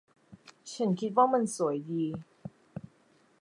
ฉันคิดว่ามันสวยดี